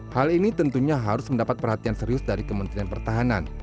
hal ini tentunya harus mendapat perhatian serius dari kementerian pertahanan